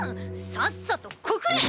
さっさと告れ！